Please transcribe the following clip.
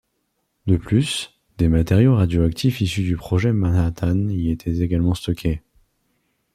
De plus, des matériaux radioactifs issus du projet Manhattan y étaient également stockés.